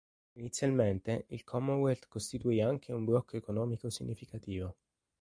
Inizialmente il Commonwealth costituì anche un blocco economico significativo.